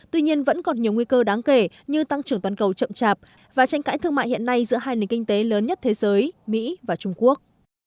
tuy nhiên vẫn còn nhiều nguy cơ đáng kể như tăng trưởng toàn cầu chậm chạp và tranh cãi thương mại hiện nay giữa hai nền kinh tế lớn nhất thế giới mỹ và trung quốc